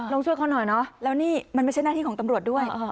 ช่วยเขาหน่อยเนอะแล้วนี่มันไม่ใช่หน้าที่ของตำรวจด้วย